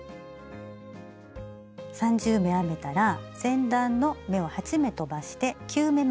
３０目編めたら前段の目を８目とばして９目め。